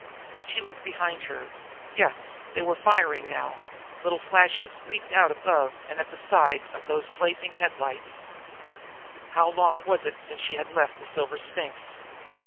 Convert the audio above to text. She looked behind her. Yes, they were firing now. Little flashes leaped out above and at the sides of those blazing headlights. How long was it since she had left the Silver Sphinx?